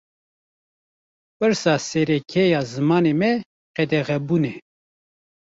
Pirsa sereke ya zimanê me, qedexebûn e